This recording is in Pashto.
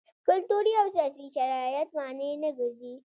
کلتوري او سیاسي شرایط مانع نه ګرځي.